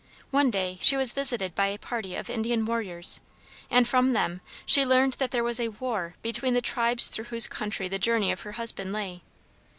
One day she was visited by a party of Indian warriors, and from them she learned that there was a war between the tribes through whose country the journey of her husband lay.